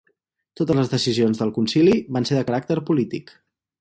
Totes les decisions del Concili van ser de caràcter polític.